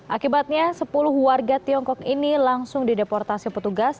akibatnya sepuluh warga tiongkok ini langsung dideportasi petugas